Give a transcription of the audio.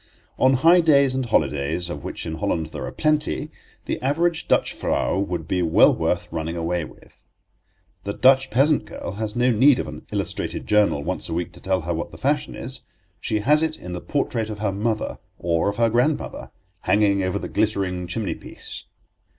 On high days and holidays, of which in Holland there are plenty, the average Dutch vrouw would be well worth running away with. The Dutch peasant girl has no need of an illustrated journal once a week to tell her what the fashion is; she has it in the portrait of her mother, or of her grandmother, hanging over the glittering chimney piece.